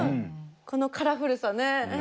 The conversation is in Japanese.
このカラフルさね。